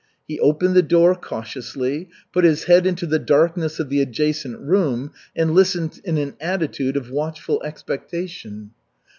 He opened the door cautiously, put his head into the darkness of the adjacent room and listened in an attitude of watchful expectation.